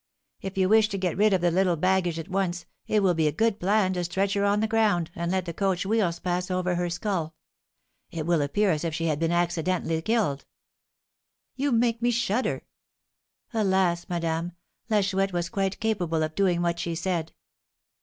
'If you wish to get rid of the little baggage at once, it will be a good plan to stretch her on the ground, and let the coach wheels pass over her skull. It will appear as if she had been accidentally killed.'" "You make me shudder." "Alas, madame, La Chouette was quite capable of doing what she said!